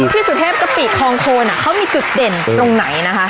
สุเทพกะปิคลองโคนเขามีจุดเด่นตรงไหนนะคะ